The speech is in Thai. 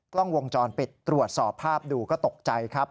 กล้องวงจรปิดตรวจสอบภาพดูก็ตกใจครับ